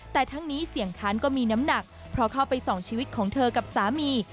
แต่ทั้งนี้เสี่ยงค้านก็มีน้ำหนักเพราะเข้าไปส่องชีวิตของเธอกับสามี